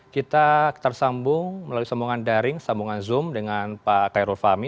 kita tersambung melalui sambungan daring sambungan zoom dengan pak kairul fahmi